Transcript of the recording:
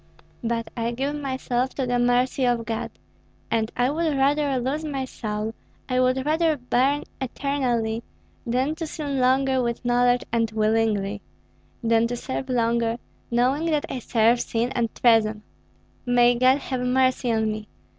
But I give myself to the mercy of God, and I would rather lose my soul, I would rather burn eternally, than to sin longer with knowledge and willingly, than to serve longer, knowing that I serve sin and treason. May God have mercy on me!